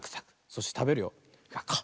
そしてたべるよ。